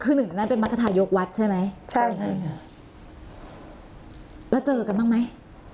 คือหนึ่งนั้นเป็นมรรคทายกวัดใช่ไหมใช่นั่นค่ะแล้วเจอกันบ้างไหม